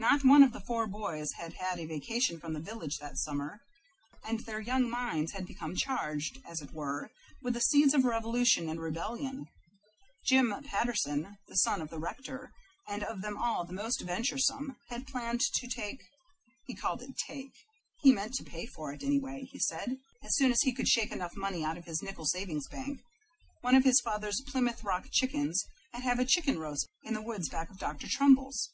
Not one of the four boys had had a vacation from the village that summer, and their young minds had become charged, as it were, with the seeds of revolution and rebellion. Jim Patterson, the son of the rector, and of them all the most venturesome, had planned to take he called it "take"; he meant to pay for it, anyway, he said, as soon as he could shake enough money out of his nickel savings bank one of his father's Plymouth Rock chickens and have a chickenroast in the woods back of Dr. Trumbull's.